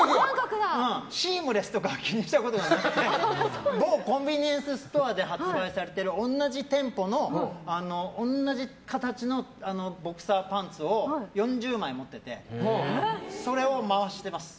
シームレスとかは気にしたことがなくて某コンビニエンスストアで発売されている同じ形のボクサーパンツを４０枚持っててそれを回してます。